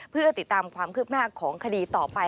เพื่อติดตามความคืบหน้าของคดีต่อไป